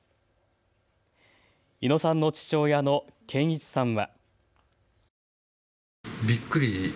猪野さんの父親の憲一さんは。